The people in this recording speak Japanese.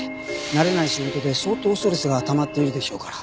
慣れない仕事で相当ストレスがたまっているでしょうから。